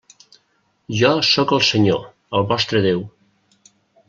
Jo sóc el Senyor, el vostre Déu.